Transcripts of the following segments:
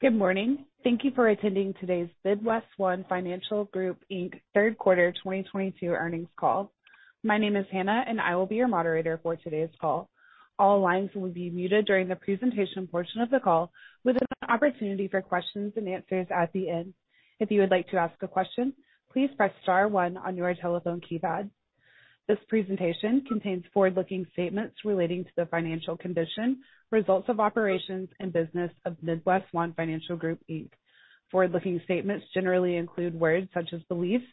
Good morning. Thank you for attending today's MidWestOne Financial Group, Inc. third quarter 2022 earnings call. My name is Hannah, and I will be your moderator for today's call. All lines will be muted during the presentation portion of the call, with an opportunity for Q&A at the end. If you would like to ask a question, please press star one on your telephone keypad. This presentation contains forward-looking statements relating to the financial condition, results of operations, and business of MidWestOne Financial Group, Inc. Forward-looking statements generally include words such as believes,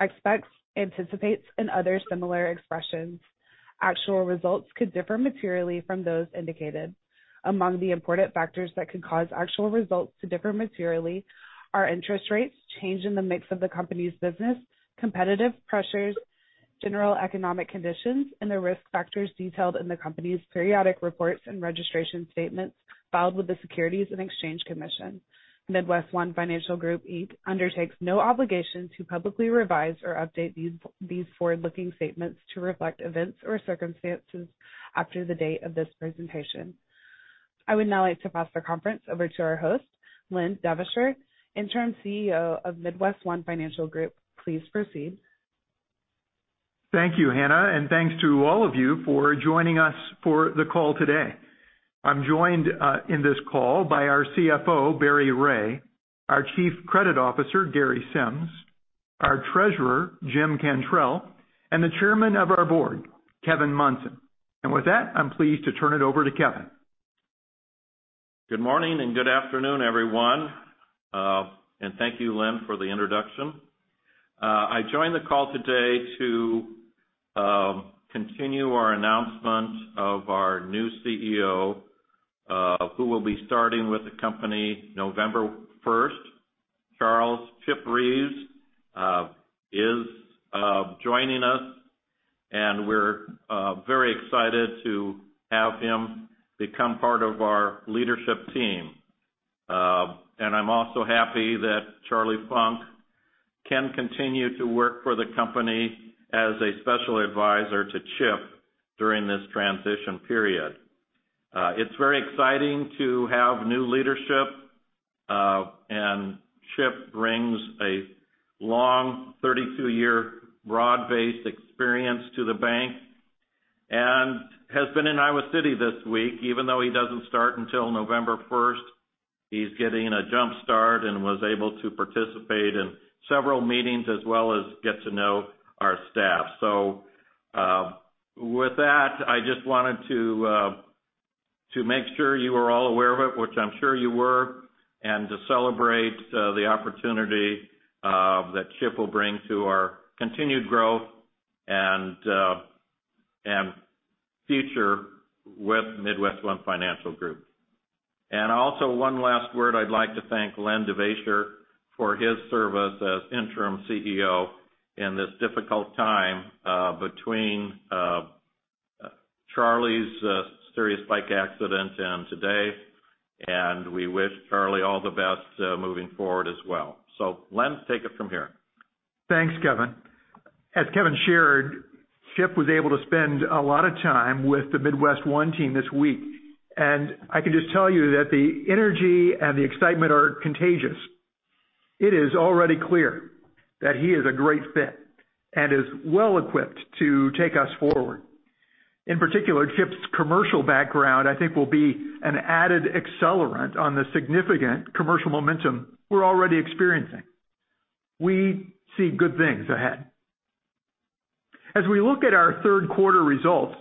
expects, anticipates, and other similar expressions. Actual results could differ materially from those indicated. Among the important factors that could cause actual results to differ materially are interest rates, change in the mix of the company's business, competitive pressures, general economic conditions, and the risk factors detailed in the company's periodic reports and registration statements filed with the Securities and Exchange Commission. MidWestOne Financial Group, Inc. undertakes no obligation to publicly revise or update these forward-looking statements to reflect events or circumstances after the date of this presentation. I would now like to pass the conference over to our host, Len Devaisher, Interim CEO of MidWestOne Financial Group. Please proceed. Thank you, Hannah, and thanks to all of you for joining us for the call today. I'm joined in this call by our CFO, Barry Ray, our Chief Credit Officer, Gary Sims, our Treasurer, Jim Cantrell, and the Chairman of our board, Kevin Monson. With that, I'm pleased to turn it over to Kevin. Good morning and good afternoon, everyone. Thank you, Len, for the introduction. I join the call today to continue our announcement of our new CEO, who will be starting with the company November 1st. Charles Chip Reeves is joining us, and we're very excited to have him become part of our leadership team. I'm also happy that Charlie Funk can continue to work for the company as a special advisor to Chip during this transition period. It's very exciting to have new leadership, and Chip brings a long, 32-year broad-based experience to the bank and has been in Iowa City this week. Even though he doesn't start until November 1st, he's getting a jump-start and was able to participate in several meetings as well as get to know our staff. With that, I just wanted to make sure you were all aware of it, which I'm sure you were, and to celebrate the opportunity that Chip will bring to our continued growth and future with MidWestOne Financial Group. Also one last word. I'd like to thank Len Devaisher for his service as interim CEO in this difficult time between Charlie's serious bike accident and today, and we wish Charlie all the best moving forward as well. Len, take it from here. Thanks, Kevin. As Kevin shared, Chip was able to spend a lot of time with the MidWestOne team this week, and I can just tell you that the energy and the excitement are contagious. It is already clear that he is a great fit and is well-equipped to take us forward. In particular, Chip's commercial background I think will be an added accelerant on the significant commercial momentum we're already experiencing. We see good things ahead. As we look at our third quarter results,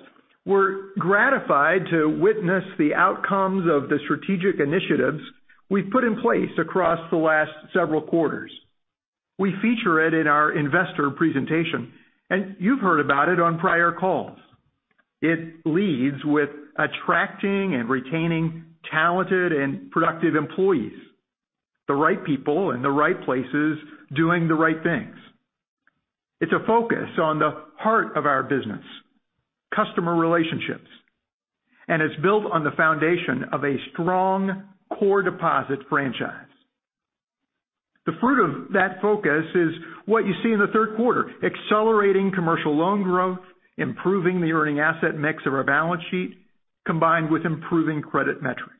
we're gratified to witness the outcomes of the strategic initiatives we've put in place across the last several quarters. We feature it in our investor presentation, and you've heard about it on prior calls. It leads with attracting and retaining talented and productive employees, the right people in the right places doing the right things. It's a focus on the heart of our business, customer relationships, and it's built on the foundation of a strong core deposit franchise. The fruit of that focus is what you see in the third quarter, accelerating commercial loan growth, improving the earning asset mix of our balance sheet, combined with improving credit metrics.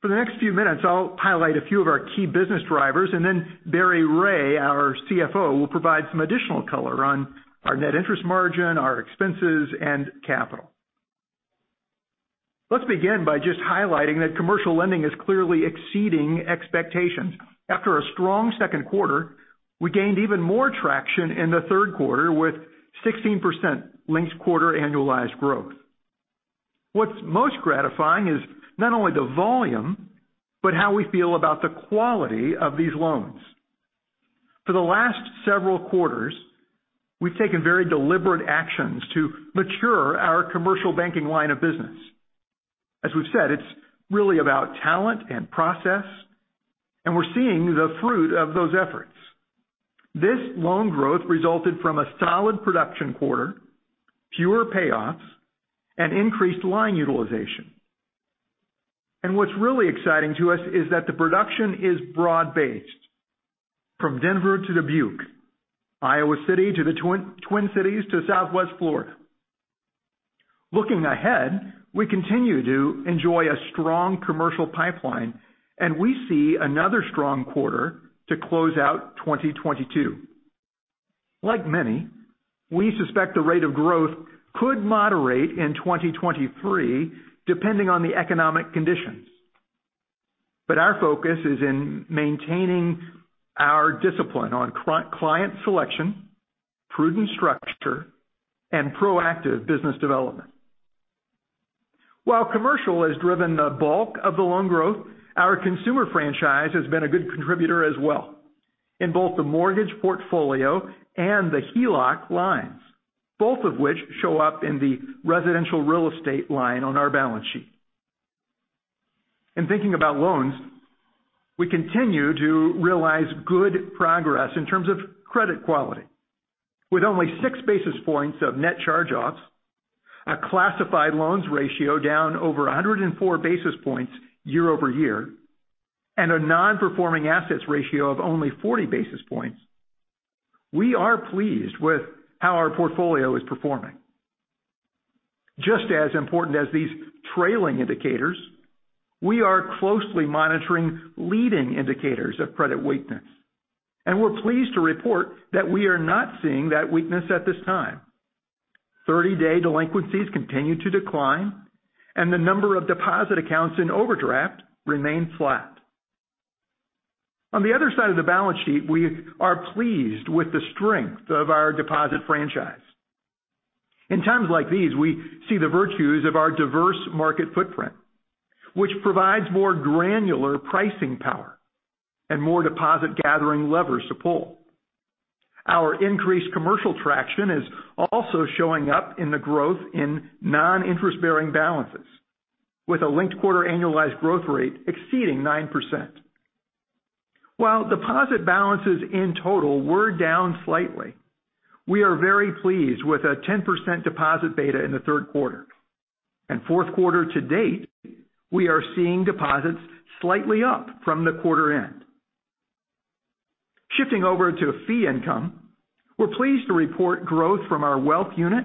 For the next few minutes, I'll highlight a few of our key business drivers, and then Barry Ray, our CFO, will provide some additional color on our net interest margin, our expenses, and capital. Let's begin by just highlighting that commercial lending is clearly exceeding expectations. After a strong second quarter, we gained even more traction in the third quarter with 16% linked quarter annualized growth. What's most gratifying is not only the volume, but how we feel about the quality of these loans. For the last several quarters, we've taken very deliberate actions to mature our commercial banking line of business. As we've said, it's really about talent and process, and we're seeing the fruit of those efforts. This loan growth resulted from a solid production quarter, fewer payoffs, and increased line utilization. What's really exciting to us is that the production is broad-based. From Denver to Dubuque, Iowa City to the Twin Cities to Southwest Florida. Looking ahead, we continue to enjoy a strong commercial pipeline, and we see another strong quarter to close out 2022. Like many, we suspect the rate of growth could moderate in 2023 depending on the economic conditions. Our focus is in maintaining our discipline on client selection, prudent structure, and proactive business development. While commercial has driven the bulk of the loan growth, our consumer franchise has been a good contributor as well in both the mortgage portfolio and the HELOC lines, both of which show up in the residential real estate line on our balance sheet. In thinking about loans, we continue to realize good progress in terms of credit quality. With only 6 basis points of net charge-offs, a classified loans ratio down over 104 basis points year-over-year, and a non-performing assets ratio of only 40 basis points, we are pleased with how our portfolio is performing. Just as important as these trailing indicators, we are closely monitoring leading indicators of credit weakness, and we're pleased to report that we are not seeing that weakness at this time. Thirty-day delinquencies continue to decline, and the number of deposit accounts in overdraft remain flat. On the other side of the balance sheet, we are pleased with the strength of our deposit franchise. In times like these, we see the virtues of our diverse market footprint, which provides more granular pricing power and more deposit gathering levers to pull. Our increased commercial traction is also showing up in the growth in non-interest-bearing balances with a linked quarter annualized growth rate exceeding 9%. While deposit balances in total were down slightly, we are very pleased with a 10% deposit beta in the third quarter. In fourth quarter to date, we are seeing deposits slightly up from the quarter end. Shifting over to fee income, we're pleased to report growth from our wealth unit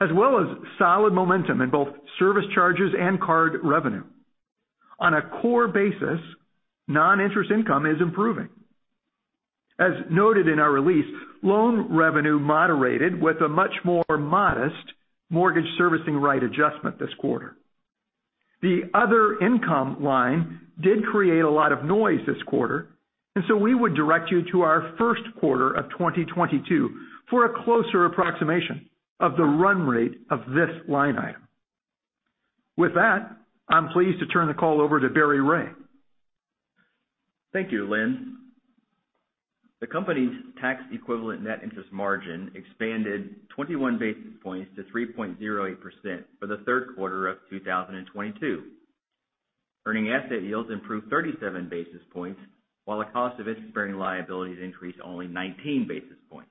as well as solid momentum in both service charges and card revenue. On a core basis, non-interest income is improving. As noted in our release, loan revenue moderated with a much more modest mortgage servicing right adjustment this quarter. The other income line did create a lot of noise this quarter, and so we would direct you to our first quarter of 2022 for a closer approximation of the run rate of this line item. With that, I'm pleased to turn the call over to Barry Ray. Thank you, Len. The company's tax equivalent net interest margin expanded 21 basis points to 3.08% for the third quarter of 2022. Earning asset yields improved 37 basis points, while the cost of interest-bearing liabilities increased only 19 basis points.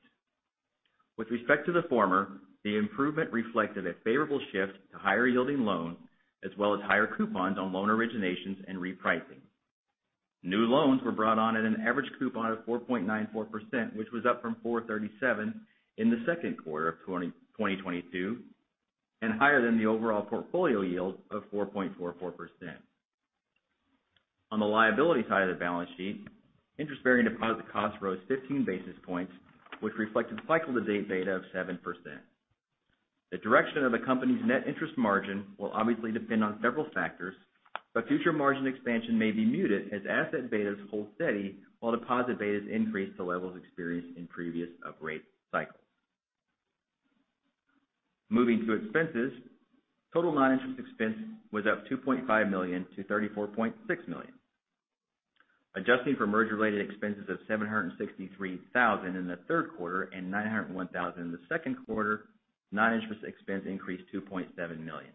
With respect to the former, the improvement reflected a favorable shift to higher yielding loans as well as higher coupons on loan originations and repricing. New loans were brought on at an average coupon of 4.94%, which was up from 4.37% in the second quarter of 2022 and higher than the overall portfolio yield of 4.44%. On the liability side of the balance sheet, interest-bearing deposit cost rose 15 basis points, which reflected cycle-to-date beta of 7%. The direction of the company's net interest margin will obviously depend on several factors, but future margin expansion may be muted as asset betas hold steady while deposit betas increase to levels experienced in previous uprate cycles. Moving to expenses. Total non-interest expense was up $2.5 million to $34.6 million. Adjusting for merger-related expenses of $763,000 in the third quarter and $901,000 in the second quarter, non-interest expense increased $2.7 million.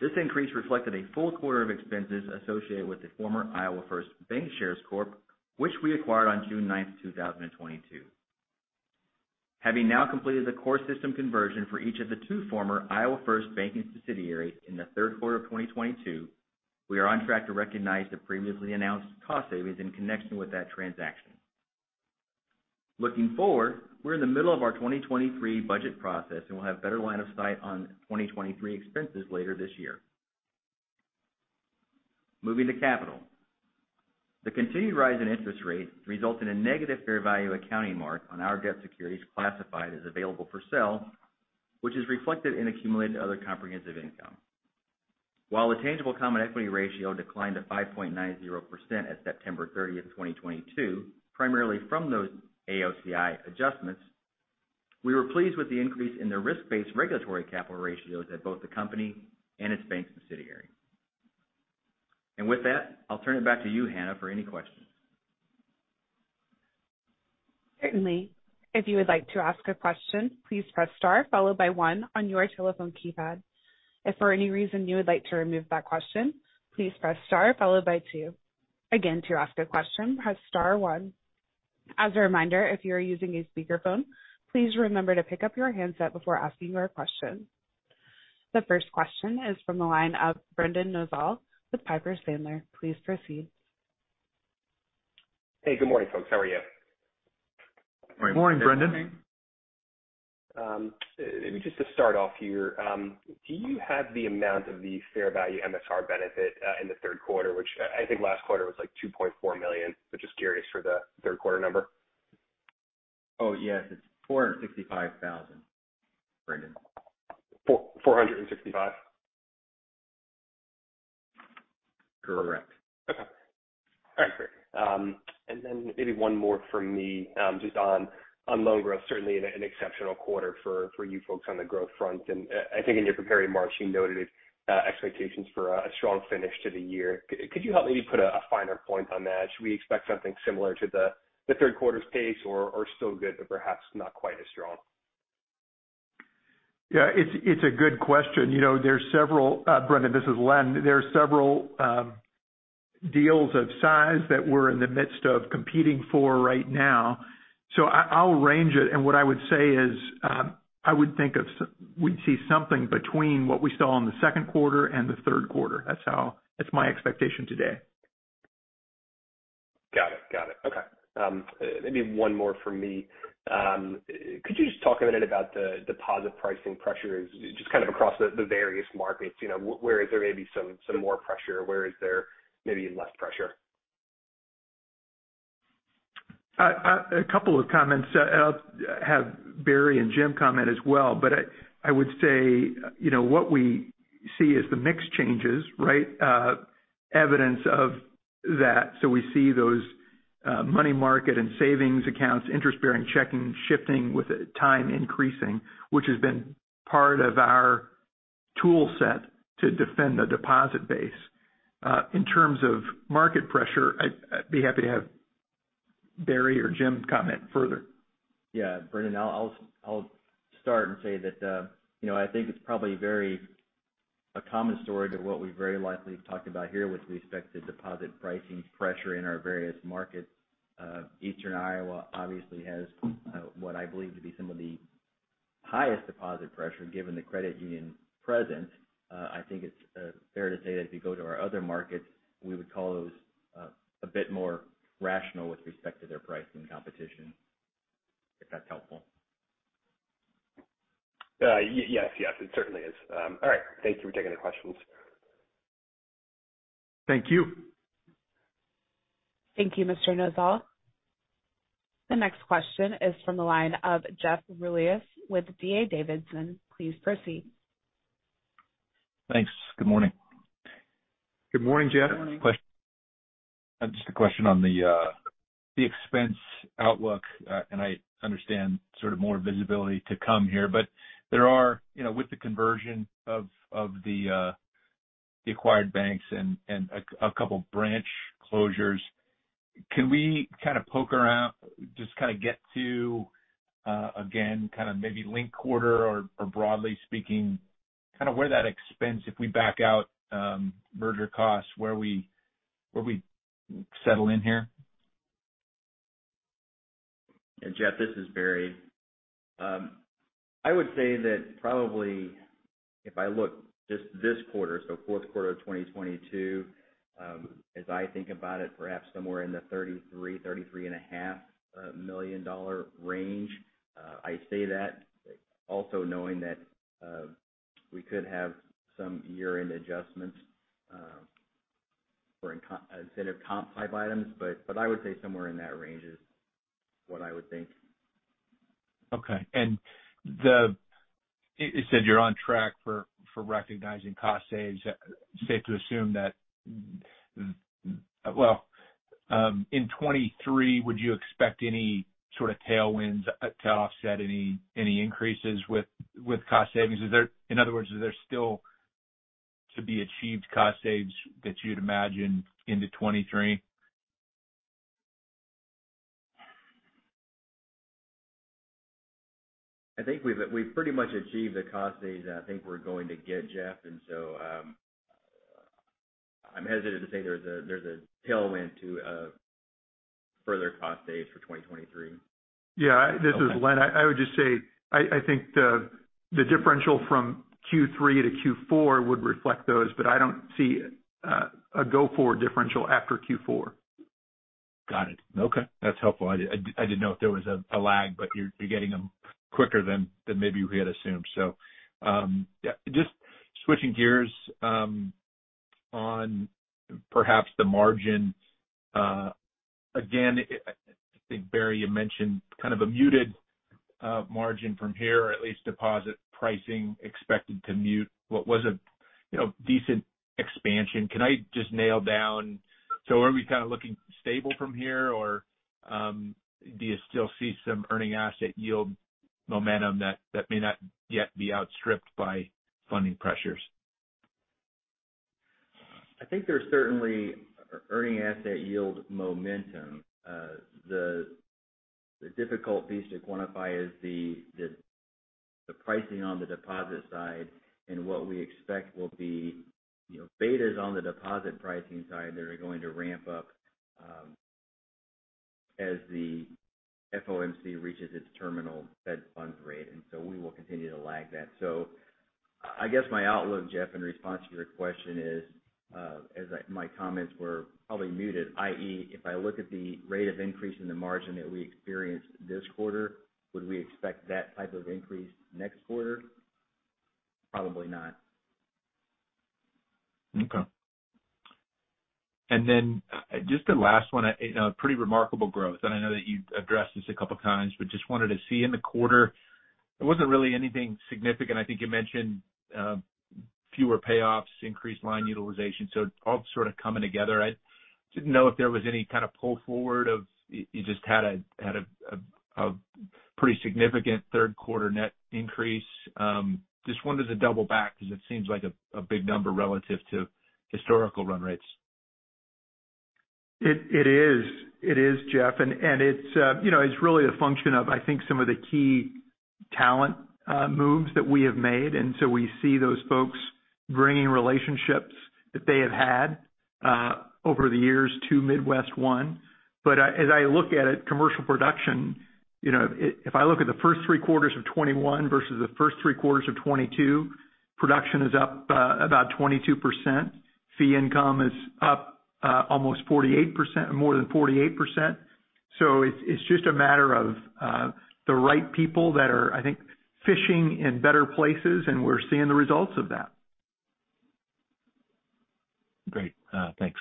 This increase reflected a full quarter of expenses associated with the former Iowa First Bancshares Corp., which we acquired on June 9th, 2022. Having now completed the core system conversion for each of the two former Iowa First Bancshares subsidiaries in the third quarter of 2022, we are on track to recognize the previously announced cost savings in connection with that transaction. Looking forward, we're in the middle of our 2023 budget process, and we'll have better line of sight on 2023 expenses later this year. Moving to capital. The continued rise in interest rates result in a negative fair value accounting mark on our debt securities classified as available for sale, which is reflected in accumulated other comprehensive income. While the tangible common equity ratio declined to 5.90% as of September 30th, 2022, primarily from those AOCI adjustments, we were pleased with the increase in the risk-based regulatory capital ratios at both the company and its bank subsidiary. With that, I'll turn it back to you, Hannah, for any questions. Certainly. If you would like to ask a question, please press star followed by one on your telephone keypad. If for any reason you would like to remove that question, please press star followed by two. Again, to ask a question, press star one. As a reminder, if you are using a speakerphone, please remember to pick up your handset before asking your question. The first question is from the line of Brendan Nosal with Piper Sandler. Please proceed. Hey, good morning, folks. How are you? Good morning, Brendan. Maybe just to start off here, do you have the amount of the fair value MSR benefit in the third quarter, which I think last quarter was like $2.4 million. Just curious for the third quarter number. Oh, yes. It's $465,000, Brendan. 465? Correct. Okay. All right, great. Then maybe one more from me, just on loan growth. Certainly an exceptional quarter for you folks on the growth front. I think in your prepared remarks you noted expectations for a strong finish to the year. Could you help maybe put a finer point on that? Should we expect something similar to the third quarter's pace or still good, but perhaps not quite as strong? Yeah, it's a good question. You know, Brendan, this is Len. There are several deals of size that we're in the midst of competing for right now. I'll range it, and what I would say is, I would think we'd see something between what we saw in the second quarter and the third quarter. That's my expectation today. Got it. Okay. Maybe one more from me. Could you just talk a minute about the deposit pricing pressures just kind of across the various markets? You know, where is there maybe some more pressure? Where is there maybe less pressure? A couple of comments. I'll have Barry and Jim comment as well. I would say, you know, what we see is the mix changes, right? Evidence of that. We see those money market and savings accounts, interest-bearing checking, shifting with time increasing, which has been part of our tool set to defend the deposit base. In terms of market pressure, I'd be happy to have Barry or Jim comment further. Yeah. Brendan, I'll start and say that, you know, I think it's probably a common story to what we very likely talked about here with respect to deposit pricing pressure in our various markets. Eastern Iowa obviously has what I believe to be some of the highest deposit pressure given the credit union presence. I think it's fair to say that if you go to our other markets, we would call those a bit more rational with respect to their pricing competition, if that's helpful. Yes, yes, it certainly is. All right, thank you for taking the questions. Thank you. Thank you, Mr. Nosal. The next question is from the line of Jeff Rulis with D.A. Davidson. Please proceed. Thanks. Good morning. Good morning, Jeff. Just a question on the expense outlook. I understand sort of more visibility to come here. There are, you know, with the conversion of the acquired banks and a couple branch closures, can we kind of poke around, just kind of get to again, kind of maybe link quarter or broadly speaking, kind of where that expense, if we back out merger costs, where we settle in here? Yeah, Jeff, this is Barry. I would say that probably if I look just this quarter, so fourth quarter of 2022, as I think about it, perhaps somewhere in the $33 million-$33.5 million range. I say that also knowing that we could have some year-end adjustments for a set of comp-type items, but I would say somewhere in that range is what I would think. Okay. You said you're on track for recognizing cost savings. Safe to assume that. Well, in 2023, would you expect any sort of tailwinds to offset any increases with cost savings? In other words, is there still to be achieved cost savings that you'd imagine into 2023? I think we've pretty much achieved the cost saves that I think we're going to get, Jeff. I'm hesitant to say there's a tailwind to further cost saves for 2023. Yeah. This is Len. I would just say I think the differential from Q3 to Q4 would reflect those, but I don't see a go-forward differential after Q4. Got it. Okay, that's helpful. I didn't know if there was a lag, but you're getting them quicker than maybe we had assumed. Yeah, just switching gears on perhaps the margin. Again, I think, Barry, you mentioned kind of a muted margin from here, or at least deposit pricing expected to mute what was a, you know, decent expansion. Can I just nail down so are we kind of looking stable from here? Or, do you still see some earning asset yield momentum that may not yet be outstripped by funding pressures? I think there's certainly earning asset yield momentum. The difficult piece to quantify is the pricing on the deposit side and what we expect will be, you know, betas on the deposit pricing side that are going to ramp up. As the FOMC reaches its terminal Fed funds rate, we will continue to lag that. I guess my outlook, Jeff, in response to your question is, my comments were probably muted, i.e., if I look at the rate of increase in the margin that we experienced this quarter, would we expect that type of increase next quarter? Probably not. Okay. Just the last one. A pretty remarkable growth, and I know that you've addressed this a couple of times, but just wanted to see in the quarter, there wasn't really anything significant. I think you mentioned fewer payoffs, increased line utilization. All sort of coming together. I didn't know if there was any kind of pull forward. You just had a pretty significant third quarter net increase. Just wanted to double back because it seems like a big number relative to historical run rates. It is, Jeff. It's really a function of, I think, some of the key talent moves that we have made. We see those folks bringing relationships that they have had over the years to MidWestOne. As I look at it, commercial production, you know, if I look at the first three quarters of 2021 versus the first three quarters of 2022, production is up about 22%. Fee income is up almost 48%. More than 48%. It's just a matter of the right people that are, I think, fishing in better places, and we're seeing the results of that. Great. Thanks. Thank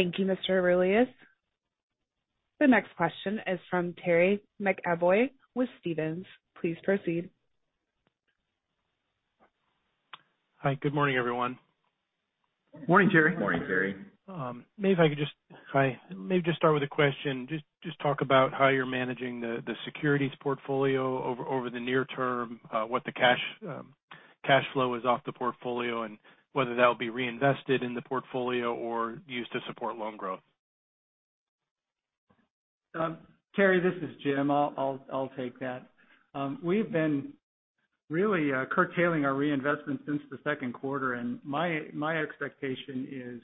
you, Mr. Rulis. The next question is from Terry McEvoy with Stephens. Please proceed. Hi. Good morning, everyone. Morning, Terry. Morning, Terry. Maybe just start with a question. Just talk about how you're managing the securities portfolio over the near term, what the cash flow is off the portfolio and whether that will be reinvested in the portfolio or used to support loan growth. Terry, this is Jim. I'll take that. We've been really curtailing our reinvestment since the second quarter. My expectation is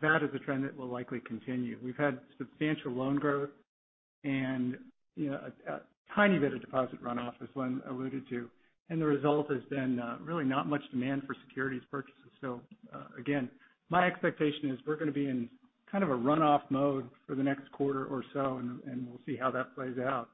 that is a trend that will likely continue. We've had substantial loan growth and, you know, a tiny bit of deposit runoff, as Len alluded to, and the result has been really not much demand for securities purchases. Again, my expectation is we're gonna be in kind of a runoff mode for the next quarter or so, and we'll see how that plays out.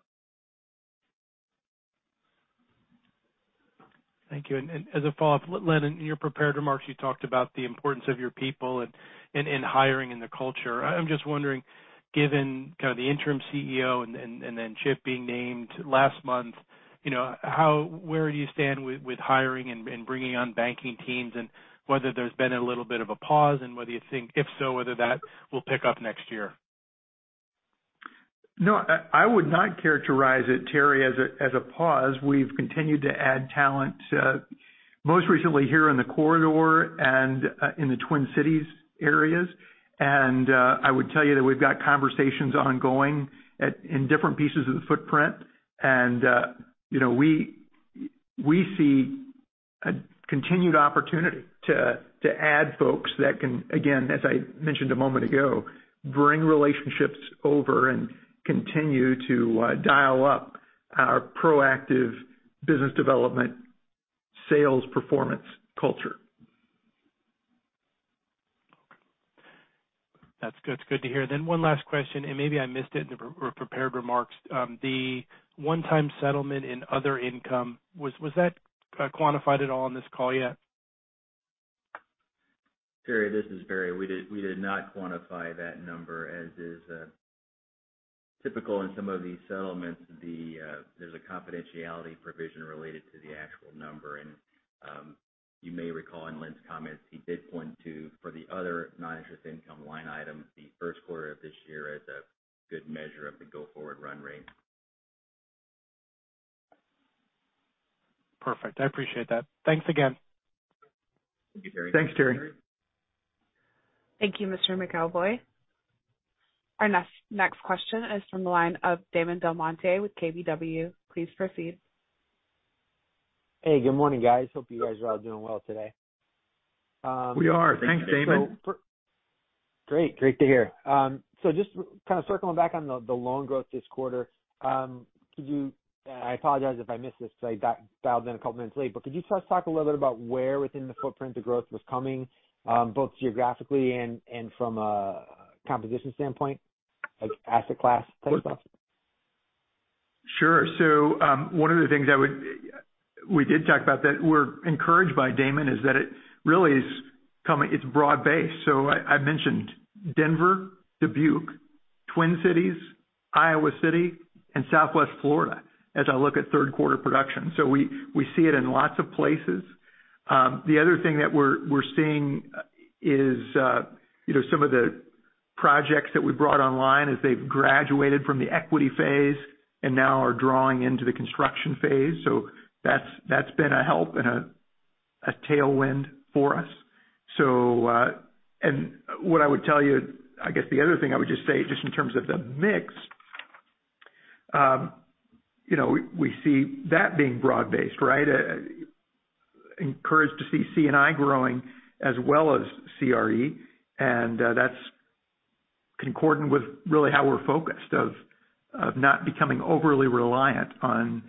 Thank you. As a follow-up, Len, in your prepared remarks, you talked about the importance of your people and hiring in the culture. I'm just wondering, given kind of the Interim CEO and then Chip being named last month, you know, how, where do you stand with hiring and bringing on banking teams. Whether there's been a little bit of a pause and whether you think, if so, whether that will pick up next year. No, I would not characterize it, Terry, as a pause. We've continued to add talent, most recently here in the corridor and in the Twin Cities areas. I would tell you that we've got conversations ongoing in different pieces of the footprint. You know, we see a continued opportunity to add folks that can, again, as I mentioned a moment ago, bring relationships over and continue to dial up our proactive business development sales performance culture. That's good, it's good to hear. One last question, and maybe I missed it in the pre-prepared remarks. The one-time settlement in other income, was that quantified at all on this call yet? Terry, this is Barry. We did not quantify that number. As is typical in some of these settlements, there's a confidentiality provision related to the actual number. You may recall in Len's comments, he did point to, for the other non-interest income line item, the first quarter of this year as a good measure of the go-forward run rate. Perfect. I appreciate that. Thanks again. Thank you, Terry. Thanks, Terry. Thank you, Mr. McEvoy. Our next question is from the line of Damon DelMonte with KBW. Please proceed. Hey, good morning, guys. Hope you guys are all doing well today. We are. Thanks, Damon. Great to hear. So just kind of circling back on the loan growth this quarter. I apologize if I missed this because I got dialed in a couple minutes late. Could you just talk a little bit about where within the footprint the growth was coming, both geographically and from a composition standpoint, like asset class type stuff? Sure. One of the things we did talk about that we're encouraged by, Damon, is that it really is coming, it's broad-based. I mentioned Denver, Dubuque, Twin Cities, Iowa City, and Southwest Florida as I look at third quarter production. We see it in lots of places. The other thing that we're seeing is, you know, some of the projects that we brought online as they've graduated from the equity phase and now are drawing into the construction phase. That's been a help and a tailwind for us. What I would tell you, I guess the other thing I would just say, just in terms of the mix, you know, we see that being broad-based, right? Encouraged to see C&I growing as well as CRE, and that's concordant with really how we're focused on not becoming overly reliant on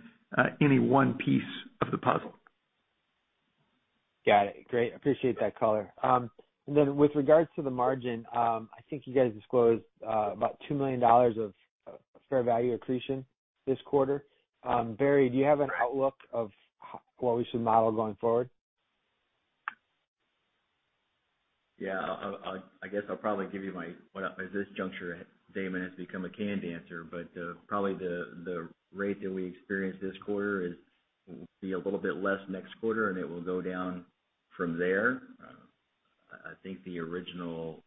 any one piece of the puzzle. Got it. Great. Appreciate that color. With regards to the margin, I think you guys disclosed about $2 million of fair value accretion this quarter. Barry, do you have an outlook of what we should model going forward? Yeah. I guess I'll probably give you my what, at this juncture, Damon, has become a canned answer, but probably the rate that we experienced this quarter will be a little bit less next quarter, and it will go down from there. I think the original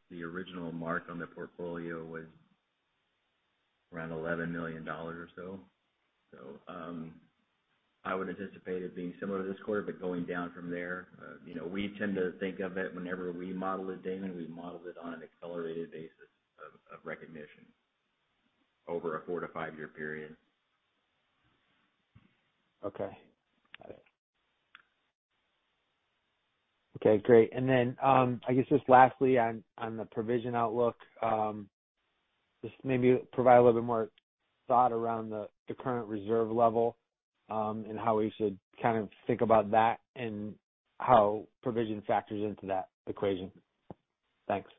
mark on the portfolio was around $11 million or so. So, I would anticipate it being similar this quarter, but going down from there. You know, we tend to think of it whenever we model it, Damon, we model it on an accelerated basis of recognition over a four-year to five-year period. Okay. Got it. Okay, great. I guess just lastly on the provision outlook, just maybe provide a little bit more thought around the current reserve level, and how we should kind of think about that and how provision factors into that equation. Thanks.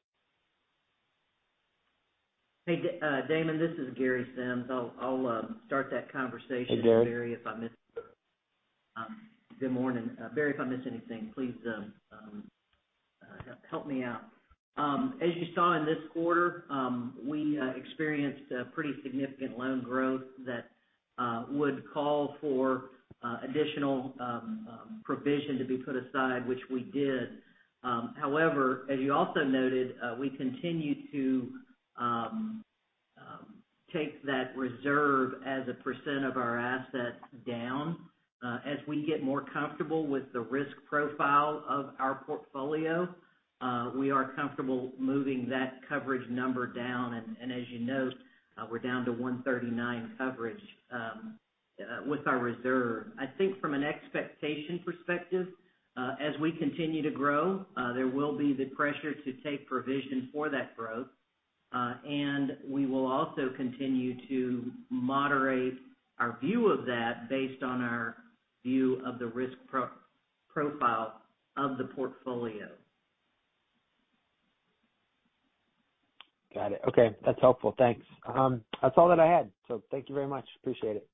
Hey, Damon, this is Gary Sims. I'll start that conversation. Hey, Gary. Good morning. Barry, if I missed anything, please help me out. As you saw in this quarter, we experienced a pretty significant loan growth that would call for additional provision to be put aside, which we did. However, as you also noted, we continue to take that reserve as a percent of our assets down. As we get more comfortable with the risk profile of our portfolio, we are comfortable moving that coverage number down. As you note, we're down to 1.39% coverage with our reserve. I think from an expectation perspective, as we continue to grow, there will be the pressure to take provision for that growth. We will also continue to moderate our view of that based on our view of the risk profile of the portfolio. Got it. Okay. That's helpful. Thanks. That's all that I had, so thank you very much. Appreciate it.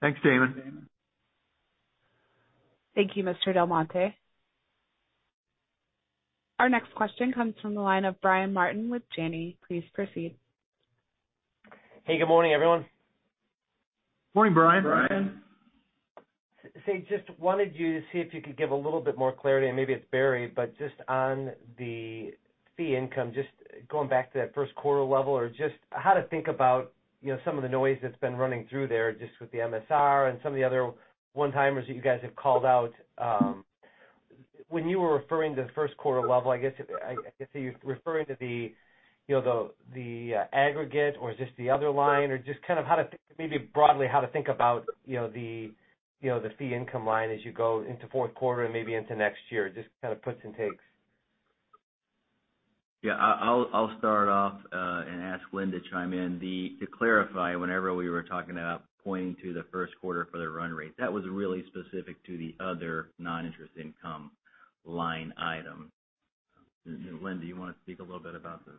Thanks, Damon. Thank you, Mr. DelMonte. Our next question comes from the line of Brian Martin with Janney. Please proceed. Hey, good morning, everyone. Morning, Brian. Say, just wanted you to see if you could give a little bit more clarity, and maybe it's Barry, but just on the fee income, just going back to that first quarter level or just how to think about, you know, some of the noise that's been running through there, just with the MSR and some of the other one-timers that you guys have called out. When you were referring to the first quarter level, I guess you're referring to the aggregate or is this the other line? Or just kind of how to maybe broadly think about, you know, the fee income line as you go into fourth quarter and maybe into next year, just kind of puts and takes. Yeah, I'll start off and ask Len to chime in. To clarify, whenever we were talking about pointing to the first quarter for the run rate, that was really specific to the other non-interest income line item. Len, do you wanna speak a little bit about this?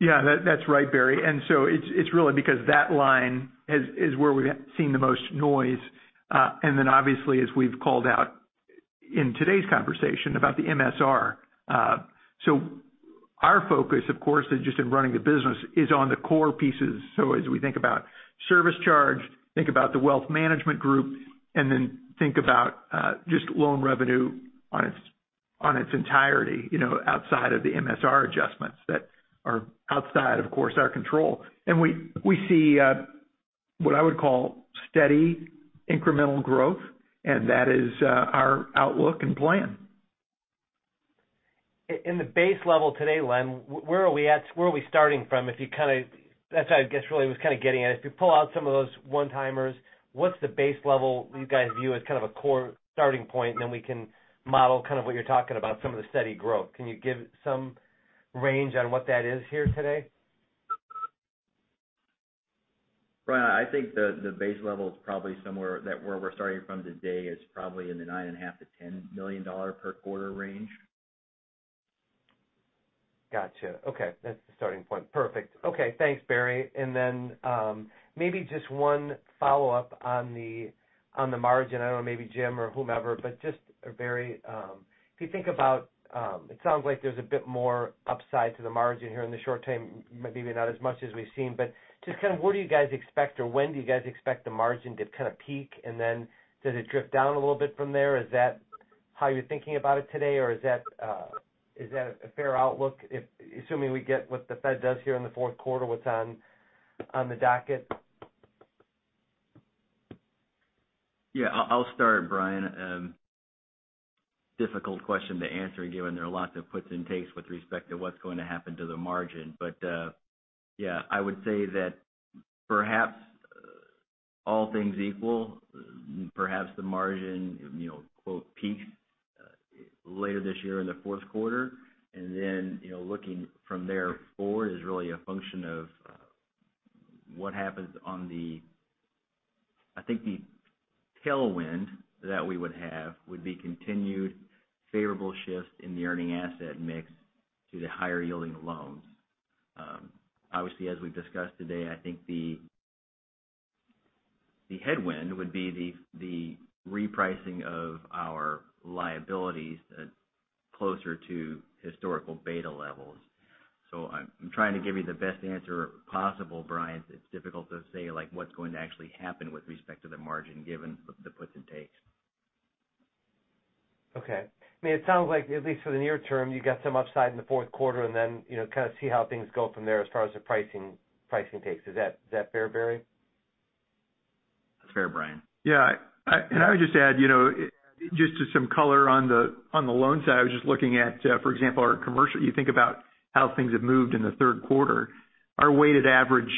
Yeah. That's right, Barry. It's really because that line is where we've seen the most noise. Then obviously, as we've called out in today's conversation about the MSR. Our focus, of course, is just in running the business is on the core pieces. As we think about service charge, think about the wealth management group, and then think about just loan revenue on its entirety, you know, outside of the MSR adjustments that are outside, of course, our control. We see what I would call steady incremental growth, and that is our outlook and plan. In the base level today, Len, where are we at? Where are we starting from? If you kind of, that's what I guess really was kind of getting at. If you pull out some of those one-timers, what's the base level you guys view as kind of a core starting point, then we can model kind of what you're talking about, some of the steady growth. Can you give some range on what that is here today? Brian, I think the base level is probably somewhere where we're starting from today is probably in the $9.5 million-$10 million per quarter range. Gotcha. Okay. That's the starting point. Perfect. Okay. Thanks, Barry. Maybe just one follow-up on the margin. I don't know, maybe Jim or whomever, but just, or Barry, if you think about, it sounds like there's a bit more upside to the margin here in the short term, maybe not as much as we've seen. Just kind of where do you guys expect or when do you guys expect the margin to kind of peak? Does it drift down a little bit from there? Is that how you're thinking about it today, or is that a fair outlook, assuming we get what the Fed does here in the fourth quarter, what's on the docket? Yeah, I'll start, Brian. Difficult question to answer given there are lots of puts and takes with respect to what's going to happen to the margin. Yeah, I would say that perhaps all things equal, perhaps the margin, you know, quote, peaks later this year in the fourth quarter. Then, you know, looking from there forward is really a function of what happens. I think the tailwind that we would have would be continued favorable shifts in the earning asset mix to the higher yielding loans. Obviously, as we've discussed today, I think the headwind would be the repricing of our liabilities closer to historical beta levels. I'm trying to give you the best answer possible, Brian. It's difficult to say, like, what's going to actually happen with respect to the margin, given the puts and takes. Okay. I mean, it sounds like, at least for the near term, you got some upside in the fourth quarter and then, you know, kind of see how things go from there as far as the pricing takes. Is that fair, Barry? That's fair, Brian. Yeah. I would just add, you know, just to some color on the loan side, I was just looking at, for example, our commercial. You think about how things have moved in the third quarter. Our weighted average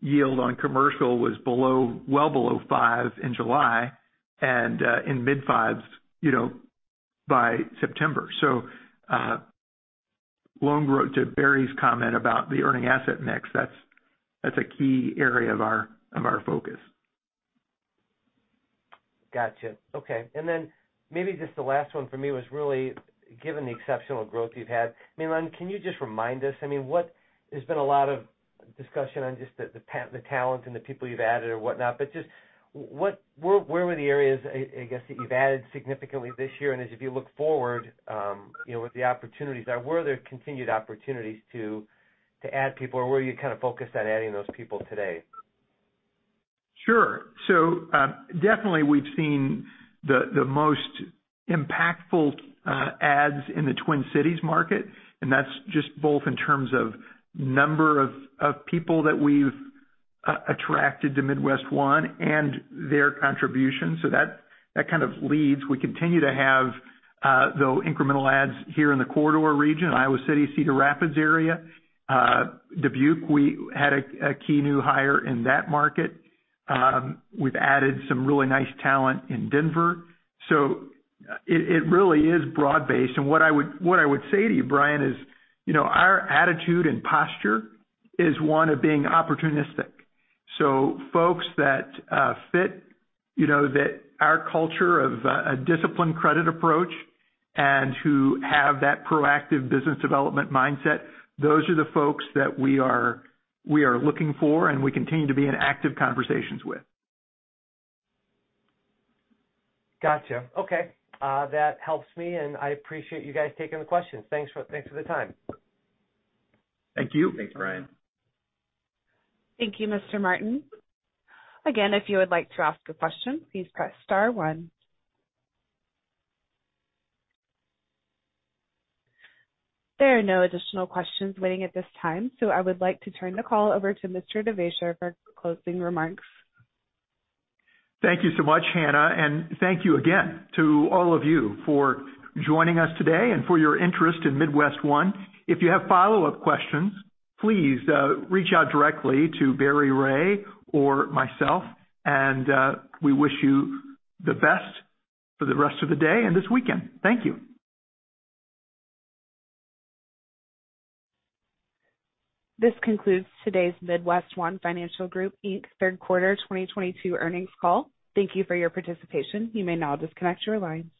yield on commercial was below, well below 5% in July and in the mid-fives, you know, by September. Loan growth to Barry's comment about the earning asset mix, that's a key area of our focus. Gotcha. Okay. Maybe just the last one for me was really given the exceptional growth you've had. I mean, can you just remind us? I mean, there's been a lot of discussion on just the talent and the people you've added or whatnot, but just where were the areas, I guess, that you've added significantly this year? If you look forward, you know, with the opportunities there, where there are continued opportunities to add people or where you kind of focus on adding those people today? Sure. Definitely we've seen the most impactful adds in the Twin Cities market, and that's just both in terms of number of people that we've attracted to MidWestOne and their contribution. That kind of leads. We continue to have the incremental adds here in the corridor region, Iowa City, Cedar Rapids area. Dubuque, we had a key new hire in that market. We've added some really nice talent in Denver. It really is broad-based. What I would say to you, Brian, is, you know, our attitude and posture is one of being opportunistic. Folks that fit, you know, that our culture of a disciplined credit approach and who have that proactive business development mindset, those are the folks that we are looking for and we continue to be in active conversations with. Gotcha. Okay. That helps me, and I appreciate you guys taking the questions. Thanks for the time. Thank you. Thanks, Brian. Thank you, Mr. Martin. Again, if you would like to ask a question, please press star one. There are no additional questions waiting at this time, so I would like to turn the call over to Mr. Devaisher for closing remarks. Thank you so much, Hannah. Thank you again to all of you for joining us today and for your interest in MidWestOne. If you have follow-up questions, please, reach out directly to Barry Ray or myself. We wish you the best for the rest of the day and this weekend. Thank you. This concludes today's MidWestOne Financial Group, Inc. third quarter 2022 earnings call. Thank you for your participation. You may now disconnect your lines.